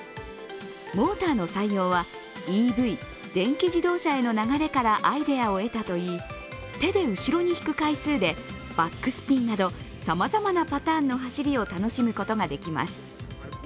モーターの採用はＥＶ＝電気自動車への流れからアイデアをえたといい、手で後ろに引く回数でバックスピンなどさまざまなパターンの走りを楽しむことができます。